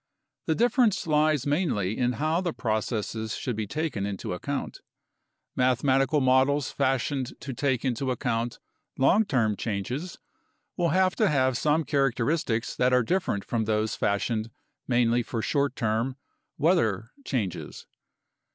The difference lies mainly in how the processes should be taken into account. Mathematical models fashioned to take into account long term changes will have to have some characteristics that are different from those fashioned mainly for short term (weather) changes.